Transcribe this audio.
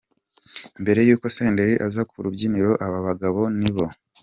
Mbere yuko Senderi aza ku rubyiniro aba bagabo nibo.